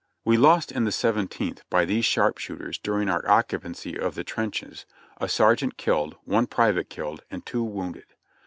We lost in the Seventeenth, by these sharpshooters during our occupancy of the trenches, a sergeant killed, one private killed, and two wounded.